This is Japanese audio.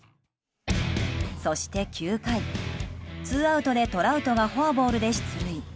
そして９回、ツーアウトでトラウトがフォアボールで出塁。